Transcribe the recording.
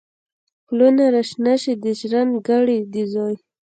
پلونه را شنه شي، د ژرند ګړی د زوی